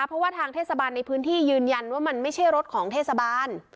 เพราะว่าทางเทศบาลในพื้นที่ยืนยันว่ามันไม่ใช่รถของเทศบาล